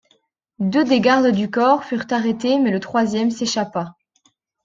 Deux des gardes du corps furent arrêtés mais le troisième s'échappa.